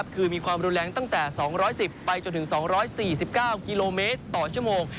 คือมีความรุนแรงตั้งแต่๒๑๐ไปจนถึง๒๔๙กิโลเมตรต่อชั่วโมง